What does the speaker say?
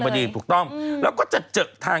บริเวณนี้เป็นจุดทางร่วมที่ลดลงจากสะพาน